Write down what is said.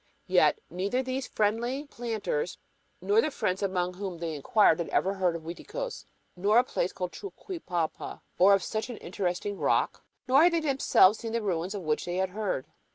Yet neither these friendly planters nor the friends among whom they inquired had ever heard of Uiticos or a place called Chuquipalpa, or of such an interesting rock; nor had they themselves seen the ruins of which they had heard.